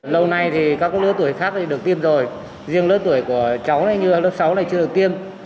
lâu nay thì các lớp tuổi khác thì được tiêm rồi riêng lớp tuổi của cháu này như lớp sáu này chưa được tiêm